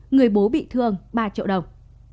người bố bị thương ba triệu đồng